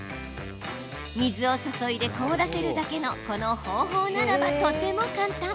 水を注いで凍らせるだけのこの方法ならば、とても簡単。